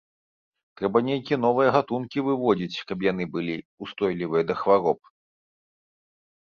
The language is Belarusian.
Трэба нейкія новыя гатункі выводзіць, каб яны былі ўстойлівыя да хвароб.